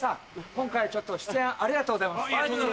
今回出演ありがとうございます。